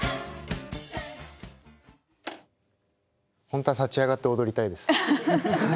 本当は立ち上がって踊りたいです。